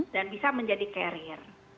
dan bisa menjadi carrier